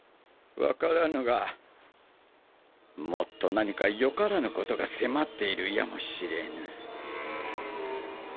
わからぬがもっと何か良からぬことが迫っているやも知れぬ。